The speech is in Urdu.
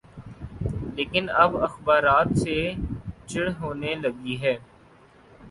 لیکن اب اخبارات سے چڑ ہونے لگی ہے۔